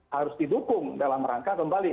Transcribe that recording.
harus didukung dalam rangka kembali